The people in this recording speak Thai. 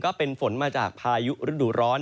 ก็เป็นฝนมาจากพายุฤดูร้อน